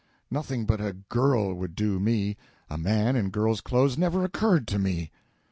Nothing but a girl would do me a man in girl's clothes never occurred to me."